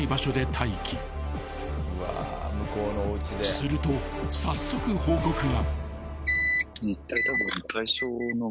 ［すると早速報告が］